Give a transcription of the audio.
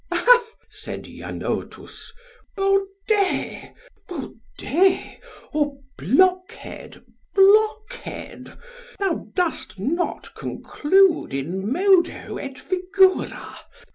Ha, said Janotus, baudet, baudet, or blockhead, blockhead, thou dost not conclude in modo et figura.